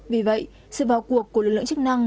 vì vậy sự vào cuộc của lực lượng chức năng